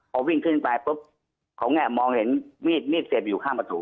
เขาวิ่งขึ้นไปปุ๊บเขาแง่มองเห็นมีดเสพอยู่ข้างประตู